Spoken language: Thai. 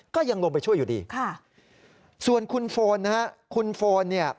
ก็ยังลงไปช่วยอยู่ดีค่ะส่วนคุณโฟนนะฮะคุณโฟนเนี่ย